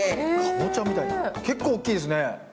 結構大きいですね。